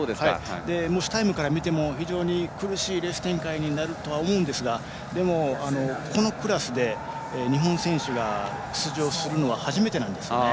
持ちタイムから見ても非常に苦しいレース展開になると思うんですがでも、このクラスで日本選手が出場するのは初めてなんですよね。